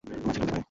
মাছি ঢুকতে পারে!